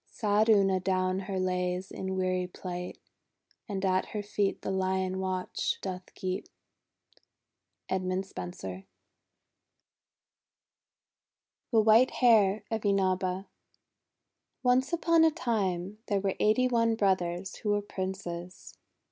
Sad Una down her lays in weary plight, And at her feet the Lion watch doth keep. EDMUND SPENSEE (arranged) THE WHITE HARE OF INABA Japanese Legend ONCE upon a time, there were eighty one brothers who were Princes.